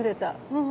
うん。